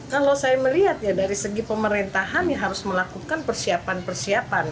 kalau saya melihat ya dari segi pemerintahan ya harus melakukan persiapan persiapan